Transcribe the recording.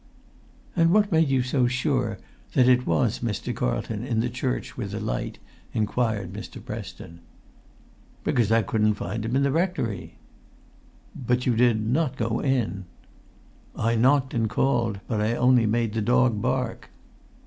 "And what made you so sure that it was Mr. Carlton in the church with the light?" inquired Mr. Preston. "Because I couldn't find him in the rectory." "But you did not go in?" "I knocked and called, but I only made the dog bark."